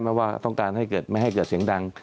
ว่าต้องการให้เกิดเสียงดัง